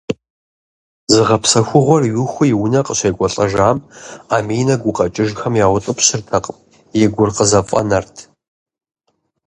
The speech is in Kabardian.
Зыгъэпсэхугъуэр иухыу и унэ къыщекӏуэлӏэжам, Аминэ гукъэкӏыжхэм яутӏыпщыртэкъым, и гур къызэфӏэнэрт.